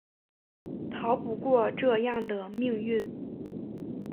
逃不过这样的命运